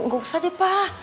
gak usah deh pak